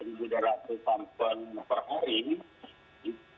yang kedua memang dari sisi proporsi positif kreatif yang bisa buka